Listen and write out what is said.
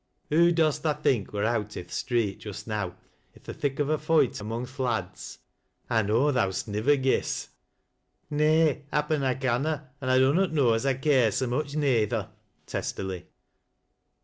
Who dost tha think wur out i' th' street just now i' th' thick of a foight among th lads ? I know thou'st nivver guess." " Nay, happen I canna, an' I dunnot know as I care so much, neyther," testily.